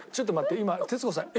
今徹子さん「え？」。